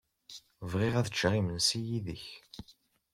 Bɣiɣ ad ččeɣ imensi yid-k.